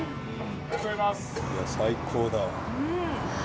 いや最高だわ。